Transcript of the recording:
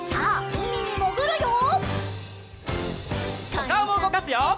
おかおもうごかすよ！